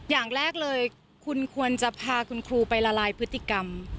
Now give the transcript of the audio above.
อย่างแรกเลยคุณควรจะพาคุณครูไปละลายพฤติกรรม